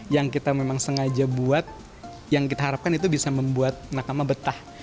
yang kita memang sengaja buat yang kita harapkan itu bisa membuat nakama betah